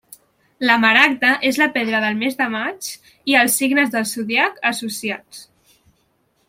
La maragda és la pedra del mes de maig i els signes del zodíac associats.